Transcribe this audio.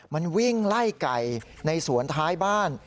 มันวิ่งไล่ไก่ในสวนท้ายบ้าน